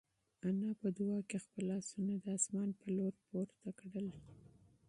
انا په دعا کې خپل لاسونه د اسمان په لور پورته کړل.